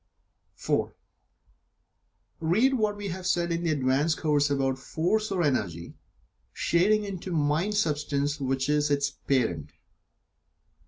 (4) Read what we have said in the "Advanced Course" about Force or Energy, shading into Mind substance which is its parent.